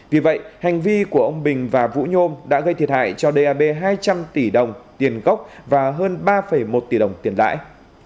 vì vậy hành vi của ông bình và vũ nhôm đã gây thiệt hại cho dap hai trăm linh tỷ đồng tiền gốc và hơn ba một tỷ đồng tiền lãi